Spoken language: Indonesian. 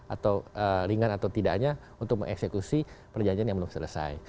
atau ringan atau tidaknya untuk mengeksekusi perjanjian yang belum selesai